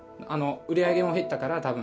売り上げも減ったから多分。